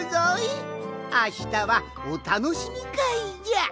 あしたはおたのしみかいじゃ。